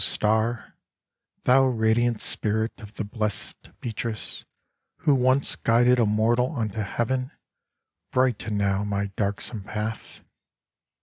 Star, thou radiant spirit of the blessed Beatrice who once guided a mortal unto Heaven, brighten now my dark some path